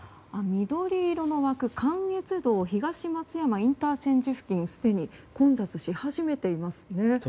緑色の枠、関越道東松山ＩＣ付近すでに混雑し始めていますね。